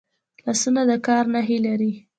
لاسونه د کار نښې لري